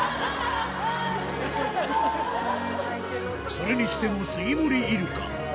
それにしても杉森イルカ